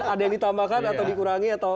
ada yang ditambahkan atau dikurangi atau